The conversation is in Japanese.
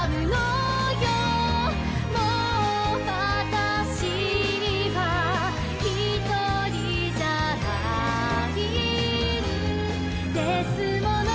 「もうわたしはひとりじゃないんですもの」